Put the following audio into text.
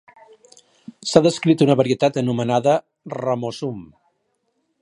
S'ha descrit una varietat anomenada "ramosum".